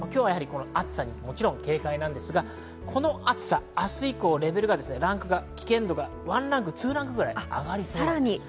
暑さに警戒なんですが、この暑さ、明日以降レベルが危険度が１ランク、２ランクぐらい上がりそうです。